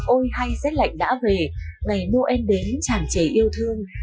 ôi hay rét lạnh đã về ngày noel đến chản chế yêu thương